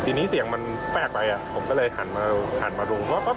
ทีนี้เสียงมันแปลกไปผมก็เลยหันมาหันมาดู